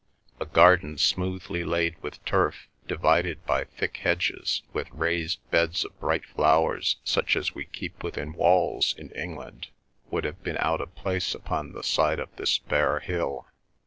A garden smoothly laid with turf, divided by thick hedges, with raised beds of bright flowers, such as we keep within walls in England, would have been out of place upon the side of this bare hill.